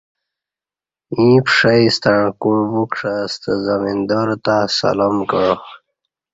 ییں پݜئ ستݩع کوع وُکشہ ستہ زمیندار تہ سلام کعا